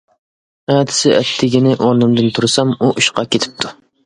ئەتىسى ئەتىگىنى ئورنۇمدىن تۇرسام ئۇ ئىشقا كېتىپتۇ.